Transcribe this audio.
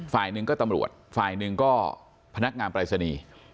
ฝ่ายหนึ่งก็ตำรวจฝ่ายหนึ่งก็พนักงานปรายศนีย์